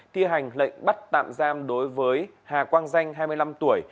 thi hành lệnh bắt tạm giam đối với hà quang danh hai mươi năm tuổi